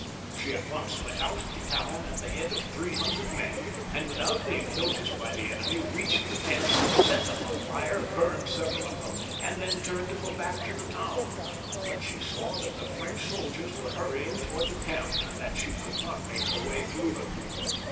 She at once went out of the town at the head of three hundred men, and without being noticed by the enemy, reached the tents, set them on fire, burned several of them, and then turned to go back to the town ; but she saw that the French soldiers were hurrying towards the camp, and that she could not make her way through them.